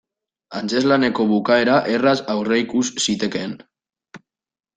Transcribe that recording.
Antzezlaneko bukaera erraz aurreikus zitekeen.